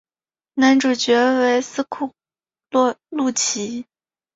男主角为斯库路吉。